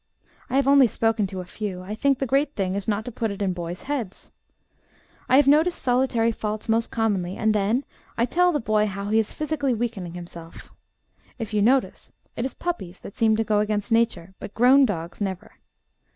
I have only spoken to a few; I think the great thing is not to put it in boys' heads. I have noticed solitary faults most commonly, and then I tell the boy how he is physically weakening himself. If you notice, it is puppies that seem to go against Nature, but grown dogs, never.